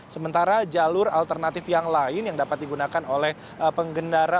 sementara jalur alternatif yang lain yang dapat digunakan oleh pengendara